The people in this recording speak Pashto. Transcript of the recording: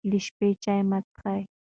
د شپې چای مه څښئ.